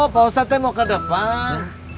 pak ustadz saya mau ke depan